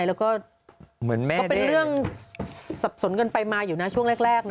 แล้วก็เป็นเรื่องสับสนกันไปมาอยู่นะช่วงแรกนะ